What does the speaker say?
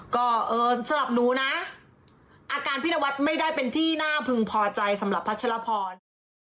ก็เออสำหรับหนูนะอาการพี่นวัดไม่ได้เป็นที่น่าพึงพอใจสำหรับพัชรพร